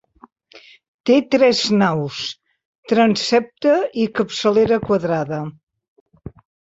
Té tres naus, transsepte i capçalera quadrada.